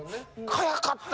早かった。